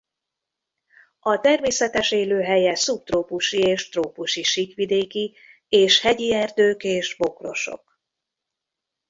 A természetes élőhelye szubtrópusi és trópusi síkvidéki és hegyi erdők és bokrosok.